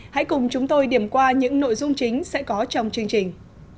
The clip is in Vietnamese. hãy cùng chúng tôi điểm qua những nội dung chính sẽ có trong chương trình